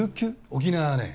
沖縄はね